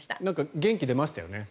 元気出ましたよね。